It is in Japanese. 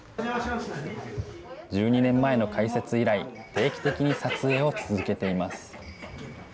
１２年前の開設以来、定期的に撮影を続けています。